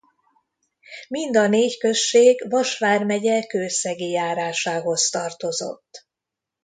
Mind a négy község Vas vármegye Kőszegi járásához tartozott.